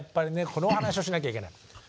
このお話をしなきゃいけない。